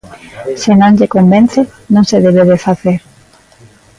Se non lle convence, non se debe de facer.